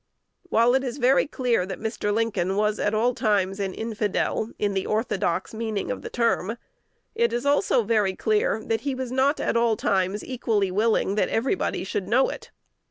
While it is very clear that Mr. Lincoln was at all times an infidel in the orthodox meaning of the term, it is also very clear that he was not at all times equally willing that everybody should know it.